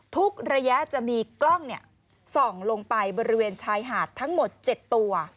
ทุกระยะจะมีกล้องส่องลงไปบริเวณชายหาดทั้งหมด๗ตัว